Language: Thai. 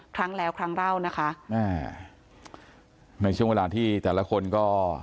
ครั้งแล้วครั้งเล่านะคะอ่าในช่วงเวลาที่แต่ละคนก็